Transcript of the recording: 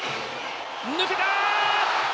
抜けた！